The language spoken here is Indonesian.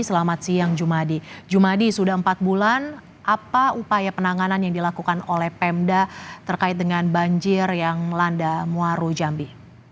selamat siang jumadi jumadi sudah empat bulan apa upaya penanganan yang dilakukan oleh pemda terkait dengan banjir yang melanda muaru jambi